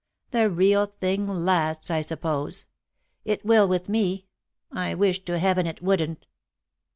"The real thing lasts, I suppose. It will with me. I wish to heaven it wouldn't."